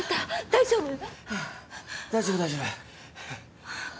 大丈夫大丈夫。